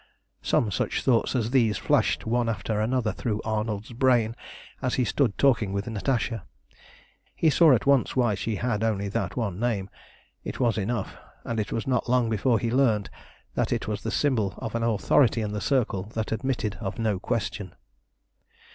Some such thoughts as these flashed one after another through Arnold's brain as he stood talking with Natasha. He saw at once why she had only that one name. It was enough, and it was not long before he learnt that it was the symbol of an authority in the Circle that admitted of no question.